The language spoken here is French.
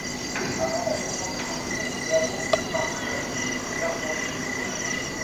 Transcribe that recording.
Avant la fusion des communes, le hameau faisait partie de la commune de Werbomont.